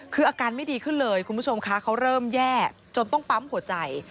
คืออาการไม่ดีขึ้นเลยคุณผู้ชมคะเขาเริ่มแย่จนต้องปั๊มหัวใจ